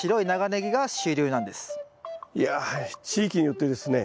いやあ地域によってですね